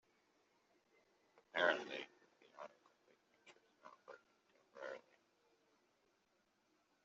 Apparently, the autocomplete feature is not working temporarily.